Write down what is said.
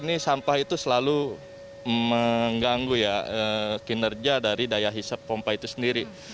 ini sampah itu selalu mengganggu ya kinerja dari daya hisap pompa itu sendiri